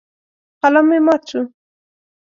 قلم مې مات شو.